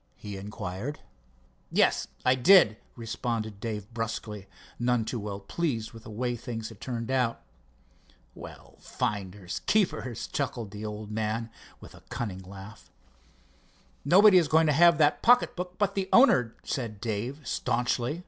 he inquired. "Yes, I did," responded Dave brusquely, none too well pleased with the way things had turned out. "Well, finders keepers!" chuckled the old man with a cunning laugh. "Nobody is going to have that pocket book but the owner," said Dave staunchly.